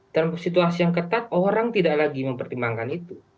dalam situasi yang ketat orang tidak lagi mempertimbangkan itu